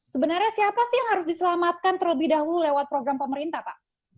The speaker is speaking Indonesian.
sebenarnya siapa sih yang harus diselamatkan terlebih dahulu lewat program pemerintah pak